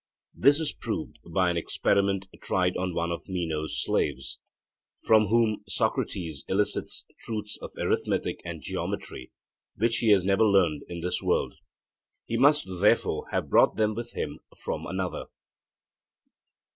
This is proved by an experiment tried on one of Meno's slaves, from whom Socrates elicits truths of arithmetic and geometry, which he had never learned in this world. He must therefore have brought them with him from another.